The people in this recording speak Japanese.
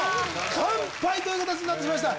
完敗という形になってしまいました。